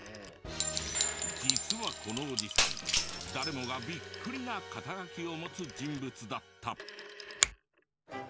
実はこのおじさん誰もがビックリな肩書を持つ人物だった！